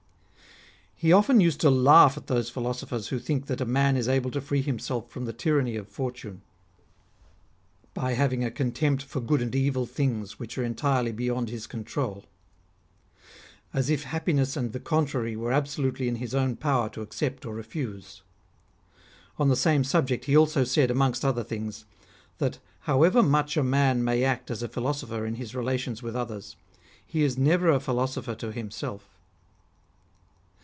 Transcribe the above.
He often used to laugh at those philosophers who think that a man is able to free himself from the tyranny of Fortune, by having a contempt for good and evil things which are entirely beyond his control ; as if happi ness and the contrary were absolutely in his own power to accept or refuse. On the same subject he also said, amongst other things, that however much a man may act as a philosopher in his relations with others, he is never a philosopher to himself.